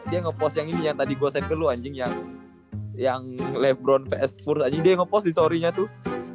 dia ngepost yang ini yang tadi gua set ke lu anjing yang lebron vs spurt anjing dia ngepost di storynya tuh